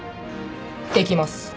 できます